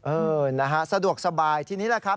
เออนะฮะสะดวกสบายทีนี้แหละครับ